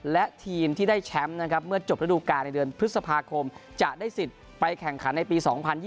และทีมที่ได้แชมป์นะครับเมื่อจบระดูการในเดือนพฤษภาคมจะได้สิทธิ์ไปแข่งขันในปี๒๐๒๐